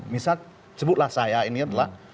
misal sebutlah saya ini adalah